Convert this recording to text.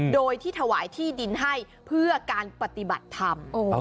โดยที่ถวายที่ดินให้เพื่อการปฏิบัติธรรม